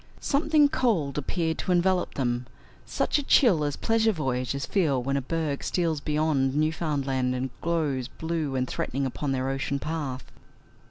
Something cold appeared to envelop them such a chill as pleasure voyagers feel when a berg steals beyond Newfoundland and glows blue and threatening upon their ocean path.